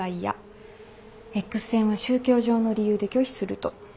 Ｘ線は宗教上の理由で拒否すると。